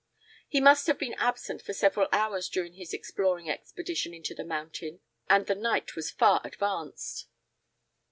He must have been absent for several hours during his exploring expedition into the mountain, and the night was now far advanced.